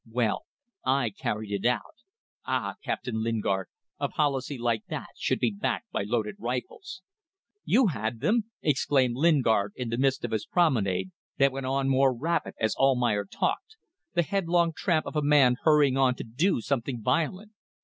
Well, I carried it out. Ah! Captain Lingard, a policy like that should be backed by loaded rifles ..." "You had them!" exclaimed Lingard in the midst of his promenade, that went on more rapid as Almayer talked: the headlong tramp of a man hurrying on to do something violent.